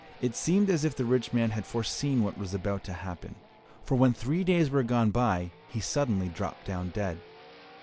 It seemed as if the rich man had foreseen what was about to happen, for when three days were gone by, he suddenly dropped down dead.